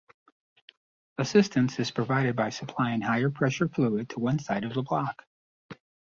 Assistance is provided by supplying higher-pressure fluid to one side of the block.